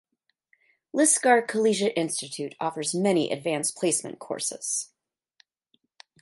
Lisgar Collegiate Institute offers many Advanced Placement courses.